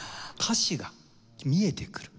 歌詞が見えてくる。